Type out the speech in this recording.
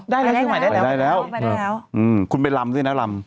ได้แล้วไปได้แล้วไปได้แล้วคุณไปลำด้วยนะลำ